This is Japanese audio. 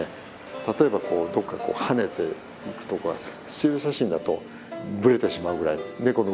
例えばこうどっか跳ねていくとかスチール写真だとぶれてしまうぐらいネコの動きって速いんですよ。